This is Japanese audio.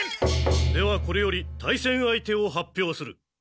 ではこれより対戦相手を発表する。